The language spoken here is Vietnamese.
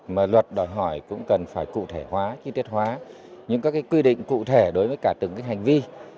mà luật đòi hỏi cũng cần phải cụ thể hóa chi tiết hóa những các quy định cụ thể đối với cả từng hành vi